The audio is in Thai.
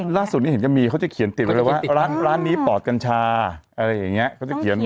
แต่ว่าล่าสุดนี้เห็นก็มีเขาจะเขียนติดเลยว่าร้านร้านนี้ปอดกัญชาอะไรอย่างเงี้ย